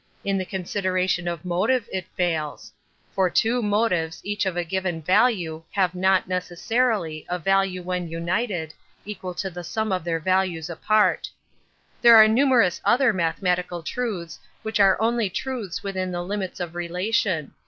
In the consideration of motive it fails; for two motives, each of a given value, have not, necessarily, a value when united, equal to the sum of their values apart. There are numerous other mathematical truths which are only truths within the limits of relation.